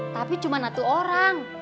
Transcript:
tapi cuma satu orang